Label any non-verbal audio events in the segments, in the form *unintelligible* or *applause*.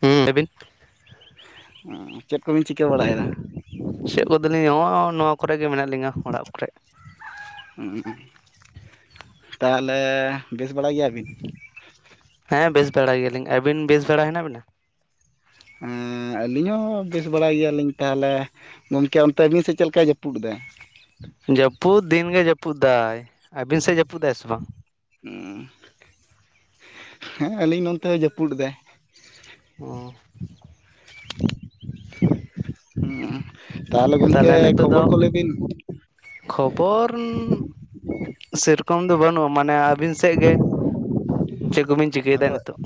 ᱦᱩᱸ ᱟᱹᱵᱤᱱ? ᱪᱮᱫ ᱠᱚᱵᱤᱱ ᱪᱤᱠᱟᱹ ᱵᱟᱲᱟᱭᱮᱫᱟ? ᱪᱮᱫ ᱠᱚᱫᱚᱞᱤᱧ ᱱᱚᱜᱼᱚᱭ, ᱱᱚᱣᱟ ᱠᱚᱨᱮ ᱜᱮ ᱢᱮᱱᱟᱜ ᱞᱤᱧᱟᱹ ᱚᱲᱟᱜ ᱠᱚᱨᱮ᱾ ᱛᱟᱦᱚᱞᱮ ᱵᱮᱥ ᱵᱟᱲᱟ ᱜᱮᱭᱟᱵᱤᱱ? ᱦᱮᱸ ᱵᱮᱥ ᱵᱟᱲᱟ ᱜᱮᱭᱟᱞᱤᱧ, ᱟᱹᱵᱤᱱ ᱵᱮᱥ ᱵᱮᱲᱟ ᱦᱮᱱᱟᱜ ᱵᱤᱱᱟ? ᱟᱹᱞᱤᱧ ᱦᱚᱸ ᱵᱮᱥ ᱵᱟᱲᱟ ᱜᱮᱭᱟᱞᱤᱧ ᱛᱟᱦᱚᱞᱮ᱾ ᱜᱚᱢᱠᱮ ᱚᱱᱛᱮ ᱟᱵᱤᱱ ᱥᱮᱫ, ᱪᱮᱫ ᱞᱮᱠᱟᱭ ᱡᱟᱹᱯᱩᱫ ᱮᱫᱟᱭ? ᱡᱟᱹᱯᱩᱫ ᱫᱤᱱᱜᱮ ᱡᱟᱹᱯᱩᱫ ᱫᱟᱭ, ᱟᱹᱵᱤᱱ ᱥᱮᱫ ᱡᱟᱹᱯᱩᱫ ᱫᱟᱭ ᱥᱮ ᱵᱟᱝ? ᱦᱮᱸ ᱟᱹᱞᱤᱧ ᱱᱚᱱᱛᱮ ᱦᱚᱸ ᱡᱟᱹᱯᱩᱫ ᱮᱫᱟᱭ᱾ ᱚᱸ ᱚ ᱸ ᱛᱟᱦᱚᱞᱮ ᱜᱚᱢᱠᱮ ᱱᱤᱛᱚᱜ ᱫᱚ ᱠᱷᱚᱵᱚᱨ ᱠᱚ ᱞᱟᱹᱭ ᱵᱤᱱ? ᱠᱷᱚᱵᱚᱨ ᱥᱮᱨᱚᱠᱚᱢ ᱫᱚ ᱵᱟᱹᱱᱩᱜᱼᱟ᱾ ᱢᱟᱱᱮ ᱟᱹᱵᱤᱱ ᱥᱮᱫ ᱜᱮ, ᱪᱮᱫ ᱠᱚᱵᱤᱱ ᱪᱤᱠᱟᱹᱭᱮᱫᱟ ᱟᱫᱚ ᱱᱤᱛᱚᱜ?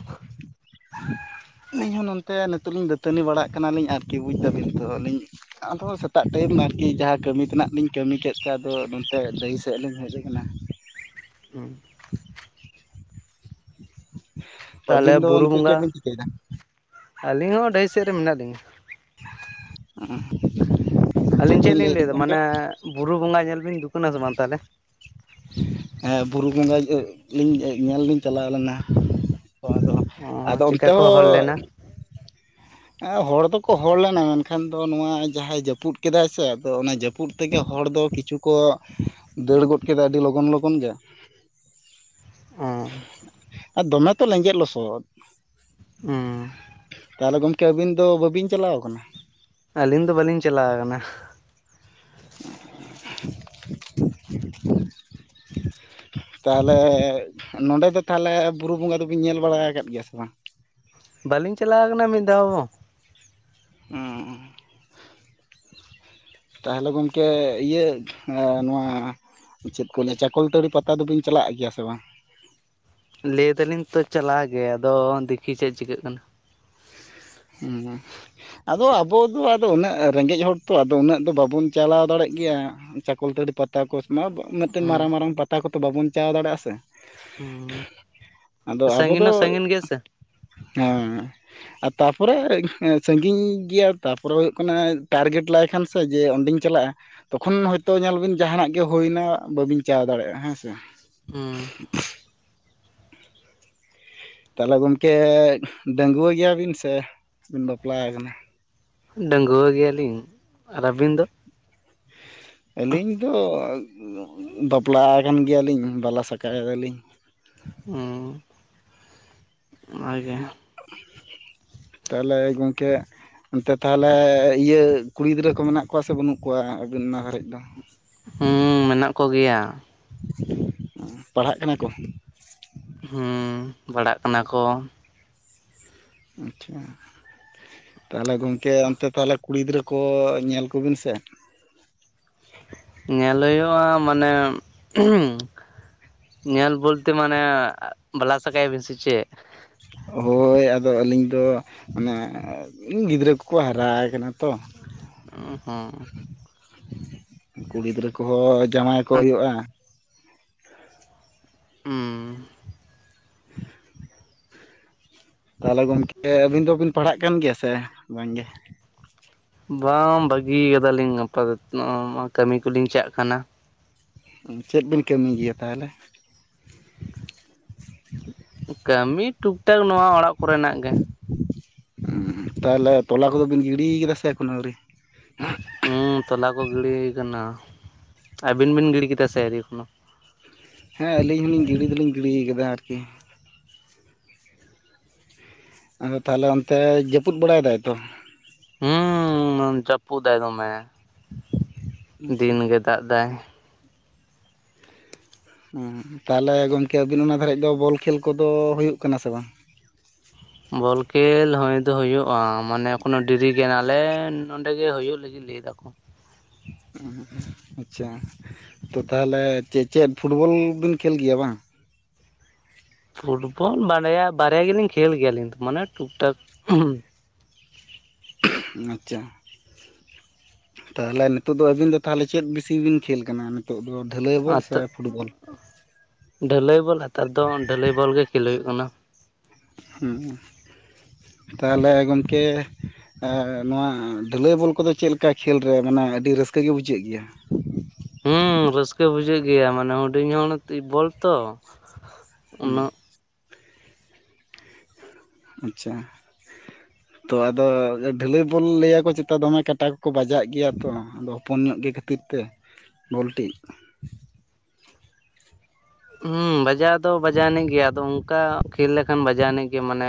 ᱟᱹᱞᱤᱧ ᱦᱚᱸ ᱱᱚᱛᱮ ᱱᱤᱛᱳᱜ ᱞᱤᱧ, ᱫᱟᱹᱛᱟᱹᱱᱤ ᱵᱟᱲᱟᱜ ᱠᱟᱱᱟᱞᱤᱧ, ᱟᱨᱠᱤ ᱵᱩᱡ ᱫᱟᱵᱤᱱ ᱛᱚ ᱟᱹᱞᱤᱧ ᱟᱫᱚ ᱥᱮᱛᱟᱜ ᱴᱟᱭᱤᱢ ᱟᱨᱠᱤ ᱡᱟᱦᱟᱸ, ᱠᱟᱹᱢᱤ ᱛᱮᱱᱟᱜ ᱞᱤᱧ ᱠᱟᱹᱢᱤ ᱠᱮᱫ ᱛᱮ, ᱟᱫᱚ ᱱᱚᱛᱮ ᱰᱟᱹᱦᱤ ᱥᱮᱫ ᱞᱤᱧ ᱦᱮᱡ ᱠᱟᱱᱟ᱾ ᱦᱩᱸ, ᱛᱟᱦᱚᱞᱮ ᱟᱵᱤᱱ ᱫᱚ ᱵᱩᱨᱩ ᱱᱤᱛᱳᱜ ᱪᱮᱫ ᱵᱚᱸᱜᱟ ᱵᱤᱱ ᱪᱤᱠᱟᱹᱭᱟ? ᱟᱹᱞᱤᱧ ᱦᱚᱸ ᱰᱟᱹᱦᱤ ᱥᱮᱫ ᱨᱮ ᱢᱮᱱᱟᱜ ᱞᱤᱧᱟᱹ ᱦᱩᱸ *unintelligible* ᱟᱹᱞᱤᱧ ᱪᱮᱫ ᱞᱤᱧ ᱞᱟᱹᱭ ᱫᱟ, ᱢᱟᱱᱮ ᱵᱩᱨᱩ ᱵᱚᱸᱜᱟ ᱧᱮᱞ ᱵᱤᱱ ᱫᱩᱠᱟᱹᱱᱟ ᱥᱮ ᱵᱟᱝ ᱛᱟᱦᱚᱞᱮ? ᱦᱮᱸᱵᱩᱨᱩ ᱵᱚᱸᱜᱟ ᱞᱤᱧ ᱧᱮᱞᱤᱧ ᱪᱟᱞᱟᱣ ᱞᱮᱱᱟ ᱟᱫᱚ ᱚ ᱟᱫᱚ ᱚᱱᱛᱮ ᱪᱮᱠᱟ ᱠᱚ ᱦᱚᱸ ᱦᱚᱲ ᱞᱮᱱᱟ ᱦᱚᱲ ᱫᱚᱠᱚ ᱦᱚᱲ ᱞᱮᱱᱟ ᱢᱮᱱᱠᱷᱟᱱ ᱫᱚ ᱱᱚᱣᱟ ᱡᱟᱦᱟᱸᱭ ᱡᱟᱹᱯᱩᱫ ᱠᱮᱫᱟᱭ ᱥᱮ ᱟᱫᱚ ᱚᱱᱟ ᱡᱟᱹᱯᱩᱫ ᱛᱮᱜᱮ ᱦᱚᱲ ᱫᱚ ᱠᱤᱪᱷᱩ ᱠᱚ ᱫᱟᱹᱲ ᱜᱚᱫ ᱠᱮᱫᱟ ᱟᱹᱰᱤ ᱞᱚᱜᱚᱱ ᱞᱚᱜᱚᱱ ᱜᱮ᱾ ᱚᱸ ᱟᱨ ᱫᱚᱢᱮ ᱛᱚ ᱞᱮᱸᱡᱮᱫ ᱞᱚᱥᱚᱫ᱾ ᱦᱩᱸ ᱛᱟᱦᱞᱮ ᱜᱚᱢᱠᱮ ᱟᱹᱵᱤᱱ ᱫᱚ ᱵᱟᱹᱵᱤᱱ ᱪᱟᱞᱟᱣ ᱠᱟᱱᱟ? ᱟᱹᱞᱤᱧ ᱫᱚ ᱵᱟᱹᱞᱤᱧ ᱪᱟᱞᱟ ᱠᱟᱱᱟ᱾ *inaudible* *inaudible* ᱛᱟᱦᱚᱞᱮ ᱱᱚᱸᱰᱮ ᱫᱚ ᱛᱟᱦᱚᱞᱮ ᱵᱩᱨᱩ ᱵᱚᱸᱜᱟ ᱫᱚᱵᱤᱱ ᱧᱮᱞ ᱵᱟᱲᱟ ᱟᱠᱟᱫ ᱜᱮᱭᱟ ᱥᱮ ᱵᱟᱝ? ᱵᱟᱹᱞᱤᱧ ᱪᱟᱞᱟᱣ ᱠᱟᱱᱟ ᱢᱤᱫ ᱫᱷᱟᱣ ᱦᱚᱸ᱾ ᱩᱸ ᱛᱟᱦᱚᱞᱮ ᱜᱚᱢᱠᱮ ᱤᱭᱟᱹ ᱱᱚᱣᱟ ᱪᱮᱫ ᱠᱚ ᱞᱮᱭᱟ ᱪᱟᱠᱚᱞ ᱛᱟᱹᱲᱤ ᱯᱟᱛᱟ ᱫᱚᱵᱤᱱ ᱪᱟᱞᱟᱜ ᱜᱮᱭᱟ ᱥᱮ ᱵᱟᱝ? ᱞᱮᱭ ᱫᱟᱞᱤᱧ ᱛᱚ ᱪᱟᱞᱟ ᱜᱮ ᱟᱫᱚ ᱫᱮᱠᱷᱤ ᱪᱮᱜ ᱪᱤᱠᱟᱹᱜ ᱠᱟᱱᱟ᱾ ᱦᱩᱸ ᱟᱫᱚ ᱟᱵᱚ ᱫᱚ ᱟᱫᱚ ᱩᱱᱟᱹᱜ ᱨᱮᱸᱜᱮᱡ ᱦᱚᱲ ᱛᱚ ᱟᱫᱚ ᱩᱱᱟᱹᱜ ᱫᱚ ᱵᱟᱵᱚᱱ ᱪᱟᱞᱟᱣ ᱫᱟᱲᱮᱜ ᱜᱮᱭᱟ᱾ ᱪᱟᱠᱚᱞ ᱛᱟᱹᱨᱤ ᱯᱟᱛᱟ ᱠᱚ ᱢᱟᱵ ᱢᱤᱫᱴᱮᱱ ᱦᱩᱸ ᱢᱟᱨᱟᱝ ᱢᱟᱨᱟᱝ ᱯᱟᱛᱟ ᱠᱚᱛᱚ ᱵᱟᱵᱚᱱ ᱪᱟᱣ ᱫᱟᱲᱮᱭᱟᱜ-ᱟ ᱥᱮ᱾ ᱦᱩᱸ ᱟᱫᱚ ᱟᱵᱚ ᱥᱟᱺᱜᱤᱧ ᱫᱚ ᱦᱚᱸ ᱥᱟᱺᱜᱤᱧ ᱜᱮᱭᱟ ᱥᱮ ᱦᱮᱸ ᱟᱨ ᱛᱟᱨᱯᱚᱨᱮ ᱥᱟᱺᱜᱤᱧ ᱜᱮᱭᱟ ᱛᱟᱨᱯᱚᱨᱮ ᱦᱩᱭᱩᱜ ᱠᱟᱱᱟ ᱴᱟᱨᱜᱮᱴ ᱞᱟᱭ ᱠᱷᱟᱱ ᱥᱮ ᱡᱮ ᱚᱸᱰᱮᱧ ᱪᱟᱞᱟᱜ-ᱟ᱾ ᱛᱚᱠᱷᱚᱱ ᱦᱳᱭ ᱛᱳ ᱧᱮᱞ ᱵᱤᱱ ᱡᱟᱦᱱᱟᱜ ᱜᱮ ᱦᱳᱭᱱᱟ ᱵᱟᱹᱵᱤᱱ ᱪᱟ ᱫᱟᱲᱮᱭᱟᱜ-ᱟ ᱦᱮᱸ ᱥᱮ᱾ ᱦᱩᱸ *inaudible* ᱛᱟᱦᱚᱞᱮ ᱜᱚᱢᱠᱮ ᱰᱟᱜᱩᱣᱟᱹ ᱜᱮᱭᱟᱵᱤᱱ ᱥᱮ ᱵᱤᱱ ᱵᱟᱯᱞᱟᱣ ᱠᱟᱱᱟ? ᱰᱟᱺᱜᱩᱣᱟᱹ ᱜᱮᱭᱟᱞᱤᱧ ᱟᱨ ᱟᱹᱵᱤᱱ ᱫᱚ? ᱟᱹᱞᱤᱧ ᱫᱚ ᱵᱟᱯᱞᱟ ᱠᱟᱱ ᱜᱮᱭᱟᱞᱤᱧ ᱵᱟᱞᱟ ᱥᱟᱠᱟᱭ ᱟᱞᱤᱧ᱾ ᱦᱚᱸ ᱚᱱᱟ ᱜᱮ᱾ ᱛᱟᱦᱚᱞᱮ ᱜᱚᱝᱠᱮ ᱚᱱᱛᱮ ᱛᱟᱦᱚᱞᱮ ᱤᱭᱟᱹ ᱠᱩᱲᱤ ᱜᱤᱫᱽᱨᱟᱹ ᱠᱚ ᱢᱮᱱᱟᱜ ᱠᱚᱣᱟ ᱥᱮ ᱵᱟᱹᱱᱩᱜ ᱠᱚᱣᱟ ᱟᱵᱤᱱ ᱚᱱᱟ ᱜᱷᱟᱨᱮᱡ ᱫᱚ? ᱦᱩᱸ ᱢᱮᱱᱟᱜ ᱠᱚ ᱜᱮᱭᱟ᱾ ᱯᱟᱲᱦᱟᱜ ᱠᱟᱱᱟ ᱠᱚ? ᱦᱩᱸ ᱯᱟᱲᱦᱟᱜ ᱠᱟᱱᱟ ᱠᱚ᱾ ᱟᱪᱪᱷᱟ ᱛᱟᱦᱚᱞᱮ ᱜᱚᱝᱠᱮ ᱚᱱᱛᱮ ᱛᱟᱦᱚᱞᱮ ᱠᱩᱲᱤ ᱜᱤᱫᱽᱨᱟᱹ ᱠᱚ ᱧᱮᱞ ᱠᱚᱵᱤᱱ ᱥᱮ᱾ ᱧᱮᱞ ᱦᱳᱭᱳᱜ-ᱟ ᱢᱟᱱᱮ ᱧᱮᱞ ᱵᱚᱞᱛᱮ ᱢᱟᱱᱮ ᱵᱟᱞᱟ ᱥᱟᱠᱟᱭ ᱟᱵᱤᱱ ᱥᱮ ᱪᱮᱫ? ᱦᱳᱭ ᱟᱫᱚ ᱟᱹᱞᱤᱧ ᱫᱚ᱾ ᱢᱟᱱᱮ ᱜᱤᱫᱽᱨᱟᱹ ᱠᱚᱠᱚ ᱦᱟᱨᱟᱣ ᱠᱟᱱᱟ ᱛᱚ᱾ ᱚ ᱦᱚᱸ ᱠᱩᱲᱤ ᱜᱤᱫᱽᱨᱟᱹ ᱠᱚᱦᱚᱸ ᱡᱟᱶᱟᱭ ᱠᱚ ᱦᱳᱭᱳᱜ-ᱟ᱾ ᱩᱸ ᱛᱟᱦᱚᱞᱮ ᱜᱚᱝᱠᱮ ᱟᱹᱵᱤᱱ ᱫᱚᱵᱤᱱ ᱯᱟᱲᱦᱟᱜ ᱠᱟᱱ ᱜᱮᱭᱟ ᱥᱮ ᱵᱟᱝ ᱜᱮ? ᱵᱟᱝ ᱵᱷᱟᱹᱜᱤ ᱠᱟᱫᱟᱞᱤᱧ ᱟᱯᱟᱛᱚᱛᱚ ᱠᱟᱹᱢᱤ ᱠᱩᱞᱤᱧ ᱪᱟᱜ ᱠᱟᱱᱟ᱾ ᱪᱮᱫ ᱵᱤᱱ ᱠᱟᱹᱢᱤ ᱜᱮᱭᱟ ᱛᱟᱦᱚᱞᱮ? ᱠᱟᱹᱢᱤ ᱴᱩᱠᱴᱟᱠ ᱱᱚᱣᱟ ᱚᱲᱟᱜ ᱠᱚᱨᱮᱱᱟᱜ ᱜᱮ᱾ ᱛᱟᱞᱦᱮ ᱛᱚᱞᱟ ᱠᱚᱫᱚ ᱵᱤᱱ ᱜᱤᱲᱤ ᱠᱟᱫᱟ ᱥᱮ ᱮᱠᱷᱮᱱᱳ ᱟᱹᱣᱨᱤ? ᱦᱩᱸ ᱛᱚᱞᱟ ᱠᱚ ᱜᱤᱲᱤ ᱦᱩᱭ ᱠᱟᱱᱟ ᱟᱹᱵᱤᱱ ᱵᱤᱱ ᱜᱤᱲᱤ ᱠᱮᱫᱟ ᱥᱮ ᱟᱹᱣᱨᱤ ᱮᱠᱷᱳᱱᱳ? ᱦᱮᱸ ᱟᱹᱞᱤᱧ ᱦᱚᱸᱞᱤᱧ ᱜᱤᱲᱤ ᱫᱩᱞᱤᱧ ᱜᱤᱰᱤ ᱠᱟᱫᱟ ᱟᱨᱠᱤ। ᱟᱫᱚ ᱛᱟᱞᱦᱮ ᱚᱱᱛᱮ ᱡᱟᱹᱯᱩᱫ ᱵᱟᱲᱟᱭ ᱫᱟᱭ ᱛᱚ ᱦᱩᱸᱻ ᱡᱟᱯᱩᱫ ᱫᱟᱭ ᱫᱚᱢᱮ ᱟᱪᱪᱷᱟ ᱫᱤᱱ ᱜᱮ ᱫᱟᱜ ᱫᱟᱭ। ᱦᱩᱸ। ᱛᱟᱞᱦᱮ ᱜᱚᱢᱠᱮ ᱟᱹᱵᱤᱱ ᱚᱱᱟ ᱫᱷᱟᱨᱮᱡ ᱫᱚ ᱵᱚᱞ ᱠᱷᱮᱞ ᱠᱚᱫᱚ ᱦᱩᱭᱩᱜ ᱠᱟᱱᱟ ᱥᱮ ᱵᱟᱝ? ᱵᱚᱞ ᱠᱷᱮᱞ ᱦᱳᱭ ᱫᱚ ᱦᱳᱭᱳᱜᱼᱟ ᱢᱟᱱᱮ ᱮᱠᱷᱚᱱᱚ ᱰᱮᱨᱤ ᱜᱮᱭᱟ ᱟᱞᱮ ᱱᱚᱸᱰᱮ ᱜᱮ ᱦᱳᱭᱳᱜ ᱞᱟᱹᱜᱤᱫ ᱞᱮᱭ ᱫᱟᱠᱚ ᱟᱪᱪᱷᱟ ᱛᱚ ᱛᱟᱞᱦᱮ ᱪᱮᱜ ᱪᱮᱜ ᱯᱷᱩᱴᱵᱚᱞ ᱵᱤᱱ ᱠᱷᱮᱞ ᱜᱮᱭᱟ ᱵᱟᱝ? ᱯᱷᱩᱴᱵᱚᱞ ᱵᱟᱲᱭᱟ ᱵᱟᱨᱭᱟ ᱜᱮᱞᱤᱧ ᱠᱷᱮᱞ ᱜᱮᱭᱟ ᱟᱞᱤᱧ ᱫᱚ ᱢᱟᱱᱮ ᱴᱩᱠ ᱴᱟᱠ ᱟᱪᱪᱷᱟ ᱛᱟᱞᱦᱮ ᱱᱤᱛᱚᱜ ᱫᱚ ᱟᱹᱵᱤᱱ ᱫᱚ ᱛᱟᱞᱦᱮ ᱪᱮᱫ ᱵᱤᱥᱤ ᱵᱤᱱ ᱠᱷᱮᱞ ᱠᱟᱱᱟ ᱱᱤᱛᱚᱜ ᱫᱚ ᱰᱷᱟᱹᱞᱟᱹᱭ ᱵᱚᱞ ᱥᱮ ᱟᱛᱚ ᱯᱷᱩᱴᱵᱚᱞ? ᱰᱷᱟᱹᱞᱟᱹᱭ ᱵᱚᱞ ᱱᱮᱛᱟᱨ ᱫᱚ ᱰᱷᱟᱹᱞᱟᱹᱭ ᱵᱚᱞ ᱜᱮ ᱠᱷᱮᱞ ᱦᱩᱭᱩᱜ ᱠᱟᱱᱟ ᱾ ᱦᱩᱸ ᱛᱟᱞᱦᱮ ᱜᱚᱝᱠᱮ ᱮ ᱱᱚᱣᱟ ᱰᱷᱟᱹᱞᱟᱹᱭ ᱵᱚᱞ ᱠᱚᱫᱚ ᱪᱮᱫ ᱞᱮᱠᱟ ᱠᱷᱮᱞ ᱨᱮ ᱢᱟᱱᱮ ᱟᱹᱰᱤ ᱨᱟᱹᱥᱠᱟᱹ ᱜᱮ ᱵᱩᱡᱷᱟᱹᱜ ᱜᱮᱭᱟ? ᱦᱩᱸ ᱨᱟᱹᱥᱠᱟᱹ ᱵᱩᱡᱷᱟᱹᱜ ᱜᱮᱭᱟ ᱢᱟᱱᱮ ᱦᱩᱰᱤᱧ ᱦᱚᱲ ᱵᱚᱞ ᱛᱚ ᱦᱩᱸ ᱩᱱᱟᱹᱜ ᱟᱪᱪᱷᱟ ᱛᱚ ᱟᱫᱚ ᱰᱷᱟᱹᱞᱟᱹᱭ ᱵᱚᱞ ᱞᱟᱹᱭᱟᱠᱚ ᱪᱮᱛᱟ ᱫᱚᱢᱮ ᱠᱟᱴᱟ ᱠᱚᱠᱚ ᱵᱟᱡᱟᱜ ᱜᱮᱭᱟ ᱛᱚ ᱟᱫᱚ ᱦᱚᱯᱚᱱ ᱧᱚᱜ ᱜᱮ ᱠᱷᱟᱹᱛᱤᱨ ᱛᱮ ᱵᱚᱞ ᱴᱤᱡ ᱦᱩᱸ ᱵᱟᱡᱟᱣ ᱫᱚ ᱵᱟᱡᱟᱣ ᱟᱱᱤᱡ ᱜᱮᱭᱟ ᱟᱫᱚ ᱚᱱᱠᱟ ᱠᱷᱮᱞ ᱞᱮᱠᱷᱟᱱ ᱵᱟᱡᱟᱣ ᱟᱱᱤᱡ ᱜᱮ ᱢᱟᱱᱮ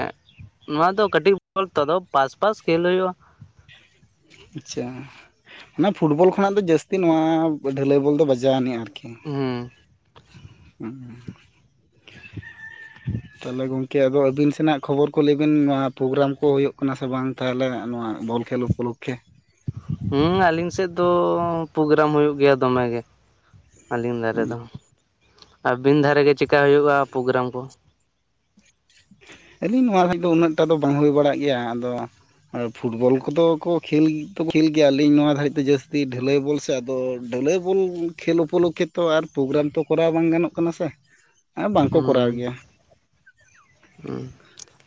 ᱱᱚᱣᱟ ᱫᱚ ᱠᱟᱹᱴᱤᱡ ᱵᱚᱞ ᱛᱚ ᱟᱫᱚ ᱯᱟᱥᱯᱟᱥ ᱠᱷᱮᱞ ᱦᱳᱭᱳᱜᱼᱟ ᱾ ᱟᱪᱪᱷᱟ ᱚᱱᱟ ᱯᱷᱩᱴᱵᱚᱞ ᱠᱷᱚᱱᱟᱜ ᱫᱚ ᱡᱟᱹᱥᱛᱤ ᱱᱚᱣᱟ ᱰᱷᱟᱹᱞᱟᱹᱭ ᱵᱚᱞ ᱫᱚ ᱵᱟᱡᱟᱣ ᱟᱹᱱᱤᱡᱼᱟ ᱟᱨᱠᱤ ᱦᱩᱸ *inaudible* *inaudible* ᱛᱟᱞᱦᱮ ᱜᱚᱝᱠᱮ ᱟᱫᱚ ᱟᱹᱵᱤᱱ ᱥᱮᱱᱟᱜ ᱠᱷᱚᱵᱚᱨ ᱠᱚ ᱞᱟᱹᱭ ᱵᱤᱱ ᱱᱚᱣᱟ ᱯᱨᱳᱜᱨᱟᱢ ᱠᱚ ᱦᱩᱭᱩᱜ ᱠᱟᱱᱟ ᱥᱮ ᱵᱟᱝ ᱛᱟᱞᱦᱮ ᱱᱚᱣᱟ ᱵᱚᱞ ᱠᱷᱮᱞ ᱯᱚᱠᱠᱷᱮ ᱦᱩᱸ ᱟᱹᱞᱤᱧ ᱥᱮᱫ ᱫᱚᱻ ᱯᱨᱳᱜᱨᱟᱢ ᱦᱩᱭᱩᱜ ᱜᱮᱭᱟ ᱫᱚᱢᱮᱜᱮ ᱾ ᱟᱹᱞᱤᱧ ᱫᱷᱟᱨᱮ ᱫᱚ ᱟᱹᱵᱤᱱ ᱫᱷᱟᱨᱮ ᱜᱮ ᱪᱮᱠᱟ ᱦᱳᱭᱳᱜᱼᱟ ᱯᱨᱳᱜᱨᱟᱢ ᱠᱚ? ᱟᱹᱞᱤᱧ ᱱᱚᱣᱟ ᱫᱷᱟᱨᱮ ᱫᱚ ᱩᱱᱟᱹᱜᱴᱟ ᱫᱚ ᱵᱟᱝ ᱦᱩᱭ ᱵᱟᱲᱟᱜ ᱜᱮᱭᱟ ᱟᱫᱚ ᱯᱷᱩᱴᱵᱚᱞ ᱠᱚᱫᱚ ᱠᱚ ᱠᱷᱮᱞ ᱫᱚᱠᱚ ᱠᱷᱮᱞ ᱜᱮᱭᱟ ᱟᱹᱞᱤᱧ ᱱᱚᱣᱟ ᱫᱷᱟᱹᱨᱤᱡ ᱫᱚ ᱡᱟᱹᱥᱛᱤ ᱰᱷᱟᱹᱞᱟᱹᱭ ᱵᱚᱞ ᱥᱮ ᱛᱚ ᱟᱫᱚ ᱰᱷᱟᱹᱞᱟᱹᱭ ᱵᱚᱞ ᱠᱷᱮᱞ ᱩᱯᱚᱞᱚᱠᱠᱷᱮ ᱛᱚ ᱟᱨ ᱯᱨᱳᱜᱨᱟᱢ ᱛᱚ ᱠᱚᱨᱟᱣ ᱵᱟᱝ ᱜᱟᱱᱚᱜ ᱠᱟᱱᱟ ᱥᱮ ᱟ ᱵᱟᱝᱠᱚ ᱠᱚᱨᱟᱣ ᱦᱩᱸ ᱜᱮᱭᱟ ᱾ ᱦᱩᱸ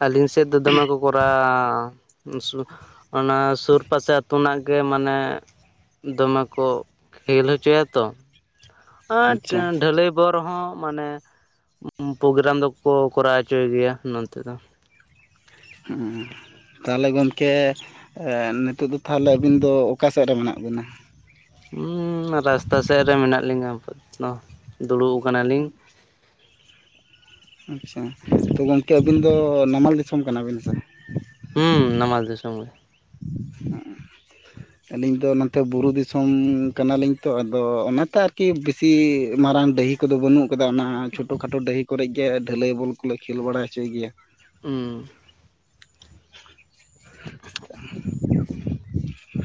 ᱟᱹᱞᱤᱧ ᱥᱮᱫ ᱫᱚ ᱫᱚᱢᱮ ᱠᱚ ᱠᱚᱨᱟᱣᱼᱟᱻ ᱥᱩᱨ ᱚᱱᱟ ᱥᱩᱨ ᱯᱟᱥᱮ ᱟᱹᱛᱩ ᱨᱮᱱᱟᱜ ᱜᱮ ᱢᱟᱱᱮ ᱫᱚᱢᱮ ᱠᱚ ᱠᱷᱮᱞ ᱦᱚᱪᱚᱭᱟ ᱛᱚ ᱟᱴ ᱟᱪᱪᱷᱟ ᱰᱷᱟᱹᱞᱟᱹᱭ ᱵᱚ ᱨᱮᱦᱚᱸ ᱢᱟᱱᱮ ᱯᱳᱜᱮᱨᱟᱢ ᱫᱚᱠᱚ ᱠᱚᱨᱟᱣ ᱦᱚᱪᱚᱭ ᱜᱮᱭᱟ ᱱᱚᱱᱛᱮ ᱫᱚ। ᱦᱩᱸ ᱛᱟᱞᱦᱮ ᱜᱚᱢᱠᱮ ᱮ ᱱᱤᱛᱳᱜ ᱫᱚ ᱛᱟᱞᱦᱮ ᱟᱹᱵᱤᱱ ᱫᱚ ᱚᱠᱟ ᱥᱮᱫ ᱨᱮ ᱢᱮᱱᱟᱜ ᱵᱤᱱᱟ? ᱩᱸᱻ ᱨᱟᱥᱛᱟ ᱥᱮᱫ ᱨᱮ ᱢᱮᱱᱟᱜ ᱞᱤᱧᱟᱹ ᱟᱯᱟᱛᱚᱛ ᱫᱩᱲᱩᱵ ᱟᱠᱟᱱᱟᱞᱤᱧ ᱾ ᱟᱪᱪᱷᱟ ᱛᱚ ᱜᱚᱢᱠᱮ ᱟᱹᱵᱤᱱ ᱫᱚ ᱱᱟᱢᱟᱞ ᱫᱤᱥᱚᱢ ᱠᱟᱱᱟᱵᱤᱱ ᱥᱮ? ᱦᱩᱸ ᱱᱟᱢᱟᱞ ᱫᱤᱥᱚᱢ ᱜᱮ। ᱦᱮ ᱟᱹᱞᱤᱧ ᱫᱚ ᱚᱱᱟᱛᱮ ᱵᱩᱨᱩ ᱫᱤᱥᱚᱢ ᱠᱟᱱᱟᱞᱤᱧ ᱛᱚ ᱟᱫᱚ ᱚᱱᱟᱛᱮ ᱟᱨᱠᱤ ᱵᱤᱥᱤ ᱢᱟᱨᱟᱝ ᱰᱟᱹᱦᱤ ᱠᱚᱫᱚ ᱵᱟᱹᱱᱩᱜ ᱟᱠᱟᱫᱟ, ᱚᱱᱟ ᱪᱷᱳᱴᱳ ᱠᱷᱟᱴᱳ ᱰᱟᱹᱦᱤ ᱠᱚᱨᱮ ᱜᱮ ᱰᱷᱟᱹᱞᱟᱹᱭ ᱵᱚᱞ ᱠᱚᱞᱮ ᱠᱷᱮᱞ ᱵᱟᱲᱟ ᱦᱚᱪᱚᱭ ᱜᱮᱭᱟ ᱾ ᱦᱩᱸ *inaudible*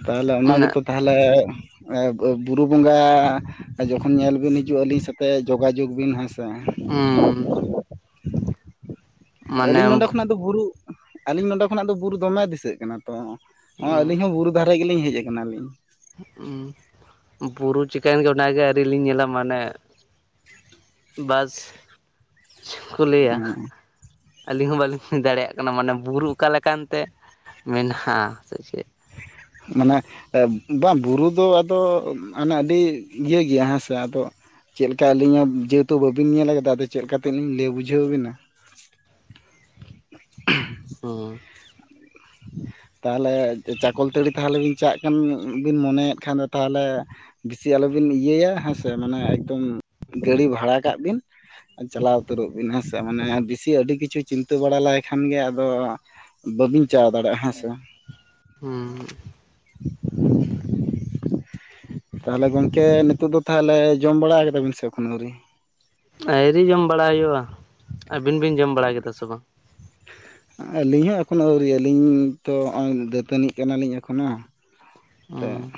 ᱛᱟᱦᱚᱞᱮ ᱚᱱᱟ ᱜᱮ ᱚᱱᱮ ᱛᱚ ᱛᱟᱦᱚᱞᱮ ᱵᱩᱨᱩ ᱵᱚᱸᱜᱟ ᱡᱚᱠᱷᱚᱱ ᱧᱮᱞ ᱵᱤᱱ ᱦᱤᱡᱩᱜᱼᱟ, ᱟᱹᱞᱤᱧ ᱥᱟᱛᱮᱜ ᱡᱳᱜᱟᱡᱳᱜᱽ ᱵᱤᱱ ᱦᱮᱸ ᱥᱮ ᱾ ᱩᱸ ᱟᱹᱞᱤᱧ ᱱᱚᱸᱰᱮ ᱠᱷᱚᱱᱟᱜ ᱫᱚ ᱵᱩᱨᱩ ᱟᱹᱞᱤᱧ ᱱᱚᱸᱰᱮ ᱠᱷᱚᱱᱟᱜ ᱫᱚ ᱵᱩᱨᱩ ᱫᱚᱢᱮ ᱫᱤᱥᱟᱹᱜ ᱠᱟᱱᱟ ᱾ ᱛᱚ ᱟᱹᱞᱤᱧ ᱦᱚᱸ ᱵᱩᱨᱩ ᱫᱷᱟᱨᱮ ᱜᱮᱞᱤᱧ ᱦᱮᱡ ᱟᱠᱟᱱᱟᱞᱤᱧ ᱾ ᱦᱩᱸ ᱵᱩᱨᱩ ᱪᱤᱠᱟᱹᱭᱮᱱ ᱜᱮ ᱚᱱᱟᱜᱮ ᱟᱹᱣᱨᱤ ᱞᱤᱧ ᱧᱮᱞᱟ ᱢᱟᱱᱮ ᱵᱟᱥ ᱪᱮᱠᱚ ᱞᱟᱹᱭᱟ ᱟᱹᱞᱤᱧ ᱦᱚᱸ ᱵᱟᱹᱞᱤᱧ ᱵᱩᱡ ᱫᱟᱲᱮᱭᱟᱜ ᱠᱟᱱᱟ, ᱢᱟᱱᱮ ᱵᱩᱨᱩ ᱚᱠᱟ ᱞᱮᱠᱟᱱ ᱛᱮ ᱢᱮᱱᱟᱜᱼᱟ ᱥᱮ ᱪᱮᱫ? ᱢᱟᱱᱮ ᱵᱟᱝ ᱵᱩᱨᱩ ᱫᱚ ᱟᱫᱚ ᱦᱟᱱᱮ ᱟᱹᱰᱤ ᱤᱭᱟᱹ ᱜᱮᱭᱟ ᱦᱮᱸ ᱥᱮ ᱟᱫᱚ ᱪᱮᱫ ᱞᱮᱠᱟ ᱟᱹᱞᱤᱧᱟᱜ ᱡᱮᱦᱮᱛᱩ ᱵᱟᱵᱤᱱ ᱧᱮᱞ ᱟᱠᱟᱫᱟ, ᱟᱫᱚ ᱪᱮᱫ ᱞᱮᱠᱟ ᱛᱮ ᱞᱤᱧ ᱞᱟᱹᱭ ᱵᱩᱡᱷᱟᱹᱣ ᱟᱵᱤᱱᱟ ᱦᱚᱸ *inaudible* ᱛᱟᱦᱚᱞᱮ ᱪᱟᱠᱚᱞᱛᱟᱹᱲᱤ ᱛᱟᱦᱚᱞᱮ ᱵᱤᱱ ᱪᱟᱜ ᱠᱟᱱ ᱵᱤᱱ ᱢᱚᱱᱮᱭᱮᱫ ᱠᱷᱟᱱ ᱫᱚ ᱛᱟᱦᱚᱞᱮ ᱵᱮᱥᱤ ᱟᱞᱚᱵᱤᱱ ᱤᱭᱟᱹᱭᱟ ᱦᱮᱸ ᱥᱮ ᱢᱟᱱᱮ ᱮᱠᱫᱚᱢ ᱜᱟᱹᱲᱤ ᱵᱷᱟᱲᱟ ᱠᱟᱜ ᱵᱤᱱ ᱪᱟᱞᱟᱣ ᱩᱛᱟᱹᱨᱚᱜ ᱵᱤᱱ ᱦᱮᱸ ᱥᱮ ᱢᱟᱱᱮ ᱵᱮᱥᱤ ᱟᱹᱰᱤ ᱠᱤᱪᱷᱩ ᱪᱤᱱᱛᱟ ᱵᱟᱲᱟ ᱞᱮᱠᱷᱟᱱ ᱜᱮ ᱟᱫᱚ ᱵᱟᱹᱵᱤᱱ ᱪᱟ ᱫᱟᱲᱮᱭᱟᱜᱼᱟ ᱦᱮᱸ ᱥᱮ ᱦᱩᱸ ᱾ *inaudible* ᱛᱟᱦᱚᱞᱮ ᱜᱚᱝᱠᱮ ᱱᱤᱛᱚᱜ ᱫᱚ ᱛᱟᱦᱚᱞᱮ ᱡᱚᱢ ᱵᱟᱲᱟ ᱠᱟᱫᱟᱵᱤᱱ ᱥᱮ ᱮᱠᱷᱚᱱᱚ ᱟᱹᱣᱨᱤ? ᱟᱹᱭᱨᱤ ᱡᱚᱢ ᱵᱟᱲᱟ ᱦᱩᱭᱩᱜᱼᱟ, ᱟᱹᱵᱤᱱ ᱵᱤᱱ ᱡᱚᱢ ᱵᱟᱲᱟ ᱠᱮᱫᱟ ᱥᱮ ᱵᱟᱝ? *inaudible* ᱟᱹᱞᱤᱧ ᱦᱚᱸ ᱮᱠᱷᱚᱱᱚ ᱟᱹᱣᱨᱤ ᱟᱹᱞᱤᱧ ᱛᱚ, ᱱᱚᱜᱼᱚᱭ ᱫᱟᱹᱛᱟᱹᱱᱤᱜ ᱠᱟᱱᱟᱞᱤᱧ ᱮᱠᱷᱚᱱᱚ ᱛᱮ ᱦᱩᱸ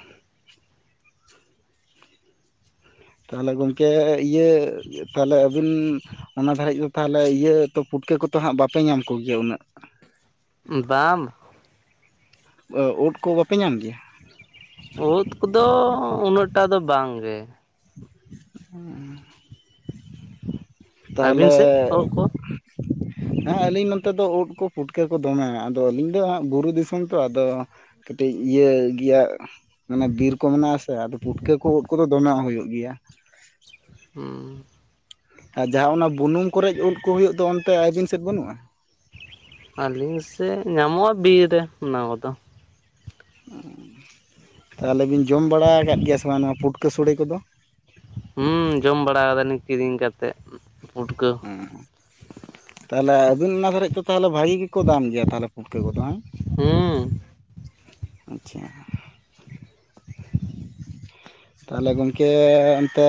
ᱛᱟᱦᱚᱞᱮ ᱜᱚᱢᱠᱮ ᱤᱭᱟᱹ ᱛᱟᱦᱚᱞᱮ ᱟᱵᱤᱱ ᱚᱱᱟ ᱫᱷᱟᱹᱨᱮᱡ ᱫᱚ ᱛᱟᱦᱚᱞᱮ ᱤᱭᱟᱹ ᱛᱚ, ᱯᱩᱴᱠᱟᱹ ᱠᱚᱫᱚ ᱦᱟᱸᱜ ᱵᱟᱯᱮ ᱧᱟᱢ ᱠᱚᱜᱮᱭᱟ ᱩᱱᱟᱹᱜ? ᱵᱟᱝ ᱩᱫᱽ ᱠᱚ ᱵᱟᱯᱮ ᱧᱟᱢ ᱜᱮᱭᱟ? ᱩᱫᱽ ᱠᱚᱫᱚ ᱩᱱᱟᱹᱜᱴᱟ ᱫᱚ ᱵᱟᱝ ᱜᱮ ᱾ ᱦᱩᱸ ᱟᱹᱵᱤᱱ ᱛᱟᱦᱚᱞᱮ ᱥᱮᱫ ᱩᱫ ᱠᱚ? *inaudible* ᱦᱮᱸ ᱟᱹᱞᱤᱧ ᱱᱚᱛᱮ ᱫᱚ ᱩᱫᱽ ᱠᱚ ᱯᱩᱴᱠᱟᱹ ᱠᱚ ᱫᱚᱢᱮ, ᱟᱫᱚ ᱟᱹᱞᱤᱧ ᱫᱚ ᱦᱟᱸᱜ ᱵᱩᱨᱩ ᱫᱤᱥᱚᱢ ᱛᱚ ᱟᱫᱚ ᱠᱟᱹᱴᱤᱡ ᱤᱭᱟᱹ ᱜᱮᱭᱟ ᱢᱟᱱᱮ ᱵᱤᱨ ᱠᱚ ᱢᱮᱱᱟᱜᱼᱟ ᱥᱮ, ᱟᱫᱚ ᱯᱩᱴᱠᱟᱹ ᱠᱚ ᱩᱫ ᱠᱚᱫᱚ ᱫᱚᱢᱮ ᱦᱩᱭᱩᱜᱼᱟ᱾ ᱜᱮᱭᱟ ᱾ ᱦᱩᱸ ᱾ ᱟᱨ ᱡᱟᱦᱟᱸ ᱚᱱᱟ ᱵᱩᱱᱩᱢ ᱠᱚᱨᱮ ᱩᱫᱽ ᱠᱚ ᱦᱩᱭᱩᱜ ᱫᱚ, ᱚᱱᱛᱮ ᱟᱹᱵᱤᱱ ᱥᱮᱫ ᱵᱟᱹᱱᱩᱜᱼᱟ? ᱟᱹᱞᱤᱧ ᱥᱮ ᱧᱟᱢᱚᱜᱼᱟ, ᱵᱤᱨ ᱨᱮ ᱚᱱᱟ ᱠᱚᱫᱚ ᱾ ᱛᱟᱦᱚᱞᱮ ᱵᱤᱱ ᱡᱚᱢ ᱵᱟᱲᱟ ᱟᱠᱟᱫ ᱜᱮᱭᱟ ᱥᱮ ᱵᱟᱝ ᱱᱚᱣᱟ ᱯᱩᱴᱠᱟᱹ ᱥᱚᱲᱮ ᱠᱚᱫᱚ? ᱦᱩᱸ ᱡᱚᱢ ᱵᱟᱲᱟ ᱫᱟᱞᱤᱧ ᱠᱤᱨᱤᱧ ᱠᱟᱛᱮᱫ ᱯᱩᱴᱠᱟᱹ ᱾ ᱦᱮᱸ ᱛᱟᱦᱚᱞᱮ ᱟᱹᱵᱤᱱ ᱢᱟ *inaudible* ᱛᱟᱦᱚᱞᱮ ᱵᱷᱟᱹᱜᱤ ᱜᱮᱠᱚ ᱫᱟᱢ ᱜᱮᱭᱟ ᱛᱟᱦᱚᱞᱮ ᱯᱩᱴᱠᱟᱹ ᱠᱚᱫᱚ ᱦᱮᱸ ᱦᱩᱸ᱾ ᱾ ᱟᱪᱪᱷᱟ ᱾ ᱛᱟᱦᱚᱞᱮ ᱜᱚᱢᱠᱮ ᱮᱱᱛᱮ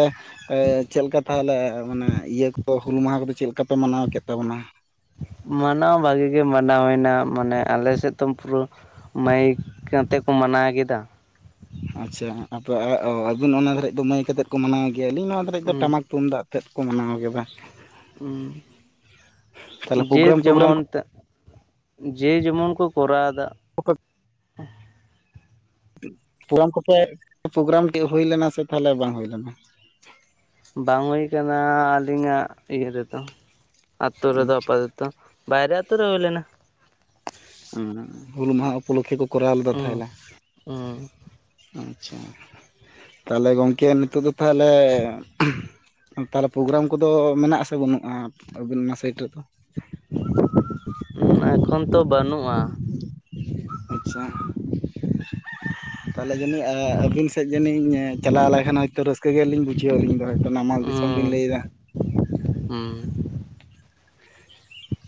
ᱪᱮᱫ ᱞᱮᱠᱟ ᱛᱟᱦᱚᱞᱮ ᱢᱟᱱᱮ ᱤᱭᱟᱹ ᱠᱚ ᱛᱚ ᱦᱩᱞ ᱢᱟᱦᱟ ᱠᱚᱫᱚ ᱪᱮᱫ ᱞᱮᱠᱟ ᱯᱮ ᱢᱟᱱᱟᱣ ᱠᱮᱫ ᱛᱟᱵᱚᱱᱟ ᱾ ᱢᱟᱱᱟᱣ ᱵᱷᱟᱹᱜᱤ ᱜᱮ ᱢᱟᱱᱟᱣᱱᱟ, ᱢᱟᱱᱮ ᱟᱞᱮ ᱥᱮᱫ ᱫᱚᱢ ᱯᱩᱨᱟ ᱢᱟᱹᱭᱤᱠ ᱠᱟᱛᱮ ᱠᱚ ᱢᱟᱱᱟᱣ ᱠᱮᱫᱟ᱾ ᱟᱪᱪᱷᱟ ᱛᱯᱚᱨᱮ *unintelligible* ᱟᱹᱵᱤᱱ ᱚᱱᱟ ᱫᱷᱟᱨᱤᱡ ᱫᱚ ᱢᱟᱹᱭᱤᱠ ᱠᱟᱛᱮᱫ ᱠᱚ ᱢᱟᱱᱟᱣ ᱜᱮᱭᱟ, ᱟᱹᱞᱤᱧ ᱱᱚᱣᱟ ᱫᱷᱟᱨᱤᱡ ᱫᱚ ᱦᱩᱸ ᱴᱟᱢᱟᱠ ᱛᱩᱢᱫᱟᱜ, ᱛᱮᱫ ᱠᱚ ᱢᱟᱱᱟᱣ ᱠᱮᱫᱟ᱾ ᱛᱟᱦᱚᱞᱮ ᱦᱮᱸ ᱡᱮ ᱯᱨᱳᱜᱨᱟᱢ ᱴᱳᱜᱨᱟᱢ ᱡᱮᱢᱚᱱ ᱴᱟ ᱡᱮ ᱡᱮᱢᱚᱱ ᱠᱚ ᱠᱚᱨᱟᱣ ᱮᱫᱟ᱾ ᱠᱚᱯᱮ ᱯᱨᱳᱨᱟᱢ ᱠᱚᱯᱮ, ᱯᱨᱳᱜᱨᱟᱢ ᱠᱮ ᱦᱩᱭ ᱞᱮᱱᱟ ᱥᱮ ᱛᱟᱦᱞᱮ ᱵᱟᱝ ᱦᱩᱭ ᱞᱮᱱᱟ? ᱵᱟᱝ ᱦᱩᱭ ᱠᱟᱱᱟ, ᱟᱹᱞᱤᱧᱟᱜ ᱤᱭᱟᱹ ᱨᱮᱫᱚ, ᱟᱹᱛᱳ ᱨᱮᱫᱚ ᱟᱯᱟᱛᱚᱛᱚ ᱛᱚ ᱵᱟᱭᱨᱮ ᱟᱛᱳ ᱨᱮ ᱦᱩᱭ ᱞᱮᱱᱟ᱾ ᱦᱩ ᱦᱩᱞ ᱢᱟᱦᱟ ᱩᱯᱞᱚᱠᱷᱮ ᱠᱚ ᱠᱚᱨᱟᱣ ᱞᱮᱫᱟ ᱚ, ᱚ ᱟᱪᱷᱟ, ᱛᱟᱦᱚᱞᱮ ᱜᱚᱝᱠᱮ ᱱᱤᱛᱳᱜ ᱫᱚ ᱛᱟᱦᱚᱞᱮ ᱛᱟᱦᱞᱮ ᱯᱨᱳᱜᱨᱟᱢ ᱠᱚᱫᱚ ᱢᱮᱱᱟᱜ ᱟᱥᱮ ᱵᱟᱹᱱᱩᱜᱼᱟ, ᱟᱹᱵᱤᱱ ᱚᱱᱟ ᱥᱟᱭᱤᱴ ᱨᱮᱫᱚ? ᱦᱮᱸ ᱮᱠᱷᱚᱱ ᱛᱚ ᱵᱟᱹᱱᱩᱜᱼᱟ᱾ ᱟᱪᱪᱷᱟ, ᱛᱟᱦᱞᱮ ᱡᱟᱹᱱᱤᱡ, ᱟᱹᱵᱤᱱ ᱥᱮᱫ ᱡᱟᱹᱱᱤᱧ ᱪᱟᱞᱟᱣ ᱞᱮᱱᱠᱷᱟᱱ ᱦᱳᱭᱛᱳ, ᱨᱟᱹᱥᱠᱟᱹ ᱜᱮᱞᱤᱧ ᱵᱩᱡᱷᱟᱹᱣᱟ ᱟᱹᱞᱤᱧ ᱫᱚ ᱦᱳᱭ ᱦᱩᱸ ᱦᱩᱸ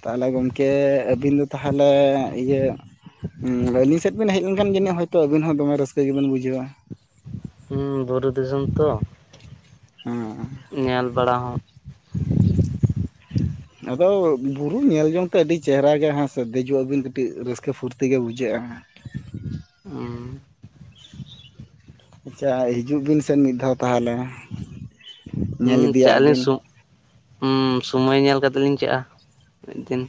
ᱛᱟᱦᱚᱞᱮ ᱜᱚᱢᱠᱮ, ᱟᱹᱵᱤᱱ ᱫᱚ ᱛᱟᱦᱚᱞᱮ ᱤᱭᱟᱹ ᱟᱹᱞᱤᱧ ᱥᱮᱫ ᱵᱮᱱ ᱦᱮᱡ ᱞᱮᱱᱠᱷᱟᱱ ᱡᱟᱹᱱᱤᱡ ᱦᱳᱭᱛᱳ, ᱟᱵᱤᱱ ᱦᱚᱸ ᱫᱚᱢᱮ ᱨᱟᱹᱥᱠᱟᱹ ᱜᱮᱵᱤᱱ ᱵᱩᱡᱷᱟᱹᱣᱟ᱾ ᱦᱩᱸ ᱵᱩᱨᱩ ᱫᱤᱥᱚᱢ ᱛᱚ᱾ ᱦᱩᱸ ᱧᱮᱞ ᱵᱟᱲᱟ ᱦᱚᱸ ᱟᱫᱚ ᱵᱩᱨᱩ ᱧᱮᱞ ᱡᱚᱝ ᱛᱮ ᱟᱹᱰᱤ ᱪᱮᱦᱟᱨᱟ ᱜᱮ ᱦᱮᱸᱥᱮ, ᱫᱮᱡᱚᱜ ᱟᱵᱤᱱ ᱠᱟᱹᱴᱤᱡ ᱨᱟᱹᱥᱠᱟᱹ ᱯᱷᱩᱨᱛᱤ ᱜᱮ ᱵᱩᱡᱟᱹᱜᱼᱟ᱾ *inaudible* ᱦᱩᱸ ᱟᱪᱪᱷᱟ ᱦᱤᱡᱩᱜ ᱵᱤᱱ ᱥᱮ ᱢᱤᱫ ᱫᱷᱟᱣ ᱛᱟᱦᱚᱞᱮ᱾ ᱦᱩᱸ ᱧᱮᱞ ᱪᱟᱜ ᱤᱫᱤᱭᱟᱜ ᱟᱹᱞᱤᱧ ᱵᱤᱱ᱾ ᱥᱩ ᱦᱩᱸ ᱥᱚᱢᱚᱭ ᱧᱮᱞ ᱠᱟᱛᱮ ᱞᱤᱧ ᱪᱟᱜᱼᱟ, ᱢᱤᱫ ᱫᱤᱱ᱾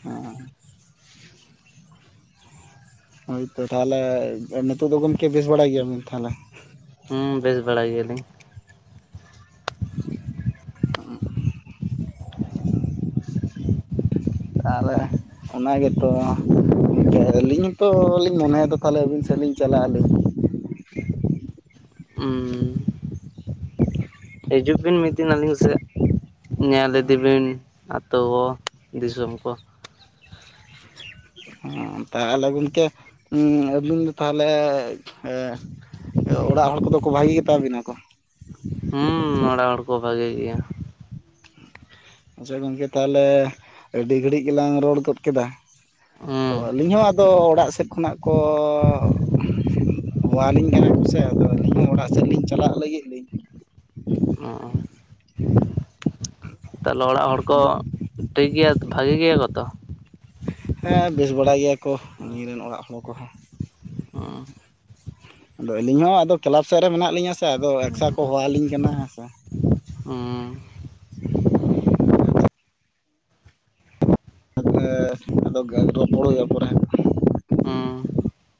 ᱦᱳᱭᱛᱚ, ᱛᱟᱦᱚᱞᱮ ᱱᱤᱛᱚᱜ ᱫᱚ ᱜᱚᱢᱠᱮ, ᱵᱮᱥ ᱵᱟᱲᱟᱭ ᱜᱤᱭᱟᱵᱮᱱ ᱛᱟᱦᱚᱞᱮ? ᱦᱩᱸ ᱵᱮᱥ ᱵᱟᱲᱟ ᱜᱮᱭᱟᱞᱤᱧ᱾ ᱦᱩᱸ *unintelligible* ᱠᱟᱨᱮ ᱚᱱᱟ ᱜᱮᱛᱚ, ᱟᱹᱞᱤᱧ ᱦᱚᱸᱛᱚ ᱞᱤᱧ ᱢᱚᱱᱮ ᱫᱟ ᱛᱟᱦᱚᱞᱮ ᱟᱹᱵᱤᱱ ᱥᱮᱫ ᱞᱤᱧ ᱪᱟᱞᱟᱜ ᱟᱹᱞᱤᱧ᱾ ᱦᱩᱸ, ᱦᱤᱡᱩᱜ ᱵᱤᱱ ᱢᱤᱫ ᱫᱤᱱ ᱟᱹᱞᱤᱧ ᱥᱮᱫ, ᱧᱮᱞ ᱤᱫᱤ ᱵᱤᱱ, ᱟᱛᱳ ᱠᱚ, ᱫᱤᱥᱚᱢ ᱠᱚ᱾ *inaudible* ᱦᱩᱸ, ᱛᱟᱦᱚᱞᱮ ᱜᱚᱝᱠᱮ ᱦᱩᱸ ᱟᱹᱵᱤᱱ ᱫᱚ ᱛᱟᱦᱚᱞᱮ ᱮ ᱚᱲᱟᱜ ᱦᱚᱲ ᱠᱚᱫᱚ ᱠᱚ ᱵᱷᱟᱜᱤ ᱜᱮᱛᱟ ᱵᱤᱱᱟ ᱠᱚ? ᱦᱩᱸ ᱚᱲᱟᱜ ᱦᱚᱲ ᱠᱚ ᱵᱷᱟᱜᱤ ᱜᱤᱭᱟ᱾ ᱟᱪᱪᱷᱟ ᱜᱚᱝᱠᱮ ᱛᱟᱦᱚᱞᱮ, ᱟᱹᱰᱤ ᱜᱷᱟᱹᱲᱤᱡ ᱜᱮᱞᱟᱝ ᱨᱚᱲ ᱜᱚᱫ ᱠᱮᱫᱟ᱾ ᱛᱚ ᱦᱩᱸ ᱟᱹᱞᱤᱧ ᱦᱚᱸ ᱟᱫᱚ ᱚᱲᱟᱜ ᱥᱮᱫ ᱠᱷᱚᱱᱟᱜ ᱠᱚ, ᱦᱚᱣᱟ ᱞᱤᱧ ᱠᱟᱱᱟ ᱠᱚᱥᱮ, ᱟᱫᱚ ᱟᱹᱞᱤᱧ ᱦᱚᱸ ᱚᱲᱟᱜ ᱥᱮᱫ ᱞᱤᱧ ᱪᱟᱞᱟᱜ ᱞᱟᱹᱜᱤᱫ᱾ ᱞᱤᱧ ᱚᱻ ᱛᱟᱦᱞᱮ ᱚᱲᱟᱜ ᱦᱚᱲ ᱠᱚ ᱟᱫᱚ ᱴᱷᱤᱠ ᱜᱮᱭᱟ, ᱵᱷᱟᱜᱤ ᱜᱮᱭᱟ ᱠᱚ ᱛᱚ? ᱦᱮᱸ ᱵᱮᱥ ᱵᱟᱲᱟ ᱜᱮᱭᱟ ᱠᱚ, ᱟᱞᱤᱧ ᱨᱮᱱ ᱚᱲᱟᱜ ᱦᱚᱲ ᱠᱚᱦᱚᱸ᱾ ᱚᱻ ᱟᱫᱚ ᱟᱹᱞᱤᱧ ᱦᱚᱸ ᱟᱫᱚ ᱠᱮᱞᱟᱵᱽ ᱥᱮᱫ ᱨᱮ ᱢᱮᱱᱟᱜ ᱞᱤᱧᱟ ᱥᱮ ᱟᱫᱚ ᱮᱠᱥᱟ ᱠᱚ ᱦᱚᱣᱟ ᱞᱤᱧ ᱠᱟᱱᱟ ᱦᱮᱸ ᱥᱮ ᱾ ᱩᱸ᱾ ᱟᱫᱚ ᱨᱚᱯᱚᱲ ᱦᱩᱭᱩᱜᱼᱟ ᱯᱚᱨᱮ ᱦᱟᱸᱜ ᱾ ᱦᱩᱸ ᱾